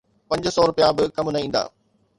پنج سؤ رپيا به ڪم نه ايندا